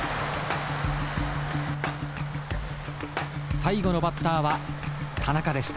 最後のバッターは田中でした。